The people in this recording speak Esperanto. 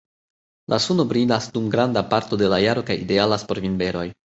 La suno brilas dum granda parto de la jaro kaj idealas por vinberoj.